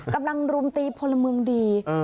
กำลังรุมตีพลเมืองดี